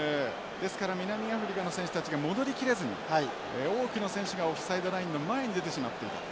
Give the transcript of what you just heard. ですから南アフリカの選手たちが戻りきれずに多くの選手がオフサイドラインの前に出てしまっていたと。